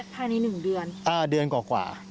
ภายใน๑เดือนเดือนกว่า